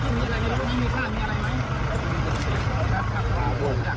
พี่ไข่เว่ยน้ำเป็นลงไปช่วยหน่อยได้ไหมคะ